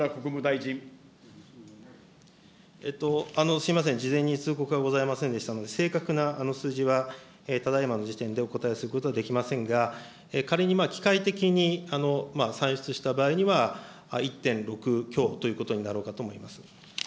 すみません、事前に通告がございませんでしたので、正確な数字は、ただいまの時点でお答えすることはできませんが、仮に機械的に算出した場合には、１．６強ということになろうかと思います。